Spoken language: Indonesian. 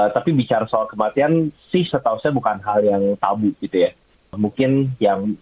tapi bicara soal kematian sih setahu saya bukan hal yang tabu gitu ya